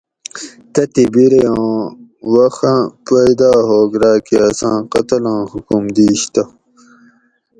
تتھی بِرے اُوں ا وخ پیدا ہوگ راۤکہ اساں قتلاں حکم دِیش تہ